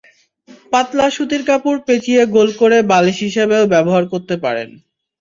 পাতলা সুতির কাপড় পেঁচিয়ে গোল করে বালিশ হিসেবেও ব্যবহার করতে পারেন।